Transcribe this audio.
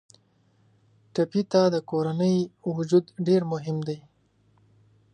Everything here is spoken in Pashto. ټپي ته د کورنۍ وجود ډېر مهم دی.